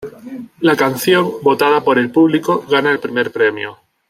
La canción, votada por el público, gana el primer premio.